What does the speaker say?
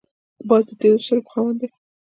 باز د تېزو سترګو خاوند دی